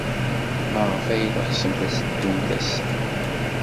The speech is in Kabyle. Maɣef ay teɣsemt ad teddumt ass-a?